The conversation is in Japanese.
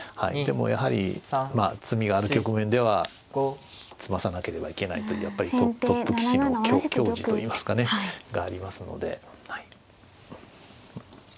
でもやはり詰みがある局面では詰まさなければいけないというやっぱりトップ棋士のきょうじといいますかねがありますのではい。